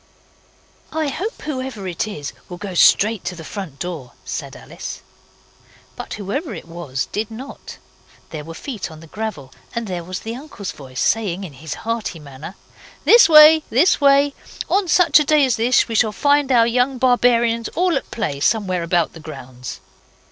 'I hope whoever it is will go straight to the front door,' said Alice. But whoever it was did not. There were feet on the gravel, and there was the uncle's voice, saying in his hearty manner 'This way. This way. On such a day as this we shall find our young barbarians all at play somewhere about the grounds.